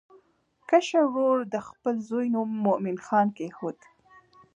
کشر ورور د خپل زوی نوم مومن خان کېښود.